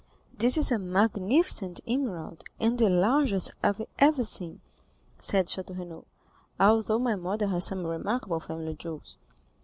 "This is a magnificent emerald, and the largest I have ever seen," said Château Renaud, "although my mother has some remarkable family jewels."